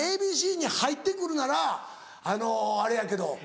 Ａ．Ｂ．Ｃ−Ｚに入って来るならあれやけど。